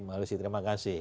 maklisi terima kasih